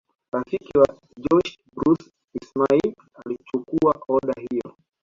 Rafiki wa Joseph Bruce Ismay alichukua oda hiyo